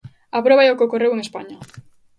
A proba é o que ocorreu en España.